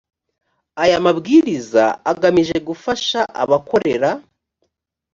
aya mabwiriza agamije gufasha abakorera